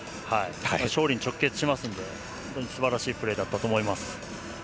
勝利に直結するのですばらしいプレーだったと思います。